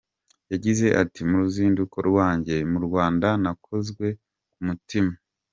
Yagize ati “Mu ruzinduko rwanjye mu Rwanda, nakozwe ku mutima.